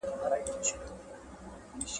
څه ډول په تیارو کي هم د رڼا څرک ولټوو؟